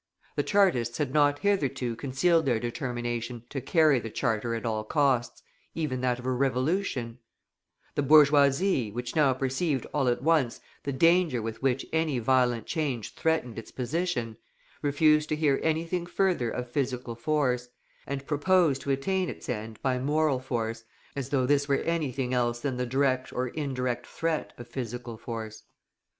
The Chartists had not hitherto concealed their determination to carry the Charter at all costs, even that of a revolution; the bourgeoisie, which now perceived, all at once, the danger with which any violent change threatened its position, refused to hear anything further of physical force, and proposed to attain its end by moral force, as though this were anything else than the direct or indirect threat of physical force.